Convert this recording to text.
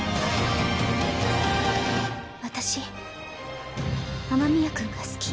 私雨宮君が好き。